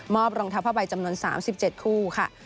รองเท้าผ้าใบจำนวน๓๗คู่ค่ะ